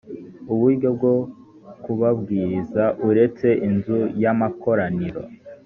uburyo bwo kubabwiriza uretse inzu y amakoraniro